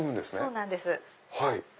そうなんです。